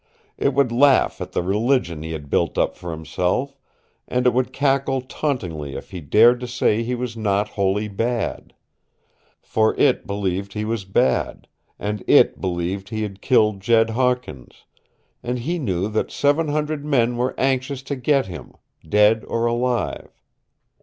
It would laugh at the religion he had built up for himself, and it would cackle tauntingly if he dared to say he was not wholly bad. For it believed he was bad, and it believed he had killed Jed Hawkins, and he knew that seven hundred men were anxious to get him, dead or alive.